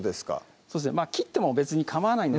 そうですね切っても別にかまわないんです